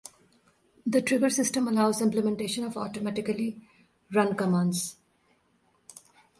The trigger system allows implementation of automatically run commands.